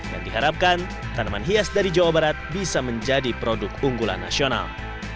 dan diharapkan tanaman hias dari jawa barat bisa menjadi produk unggulan nasional